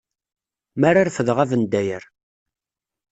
Mi ara refdeɣ abendayer.